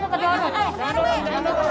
aduh aduh aku ke dorong